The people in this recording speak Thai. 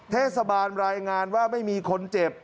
เทศบาลรายงานว่าไม่มีคนเจ็บ